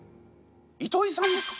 糸井さんですか？